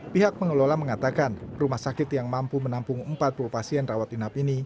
pihak pengelola mengatakan rumah sakit yang mampu menampung empat puluh pasien rawat inap ini